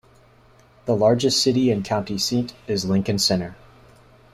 The largest city and county seat is Lincoln Center.